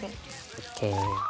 ＯＫ。